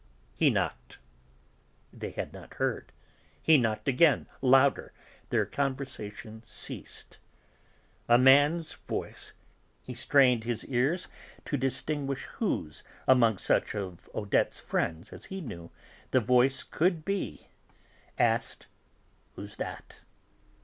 He knocked. They had not heard; he knocked again; louder; their conversation ceased. A man's voice he strained his ears to distinguish whose, among such of Odette's friends as he knew, the voice could be asked: "Who's that?"